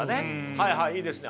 はいはいいいですね。